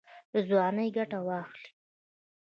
له ځوانۍ ګټه واخلئ